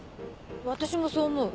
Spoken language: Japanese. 私もそう思う。